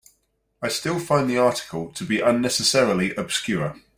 I still find the article to be unnecessarily obscure.